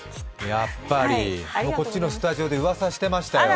やっぱり、こっちのスタジオでうわさしてましたよ。